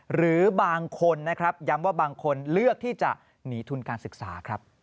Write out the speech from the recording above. หรือบางคนนะครับย้ำว่าบางคนเลือกที่จะหนีทุนการศึกษาครับ